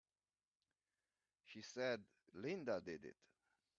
She said Linda did it!